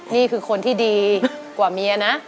นี่คือคนที่ดีกว่าเมียนะ